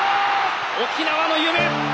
沖縄の夢